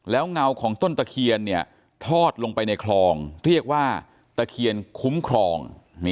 แล้วเงาของต้นตะเคียนทอดลงไปในคลองเรียกว่าตะเคียนคุ้มครอง